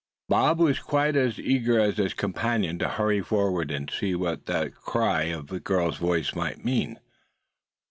BOB was quite as eager as his companion to hurry forward and see what that cry of a girl's voice might mean.